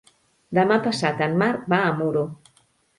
Demà passat en Marc va a Muro.